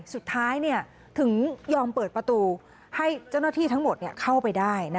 สุดท้ายถึงยอมเปิดประตูให้เจ้าหน้าที่ทั้งหมดเข้าไปได้